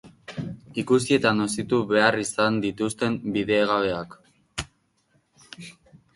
Ikusi eta nozitu behar izan dituzten bidegabeak.